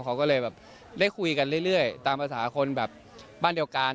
เขาก็เลยแบบได้คุยกันเรื่อยตามภาษาคนแบบบ้านเดียวกัน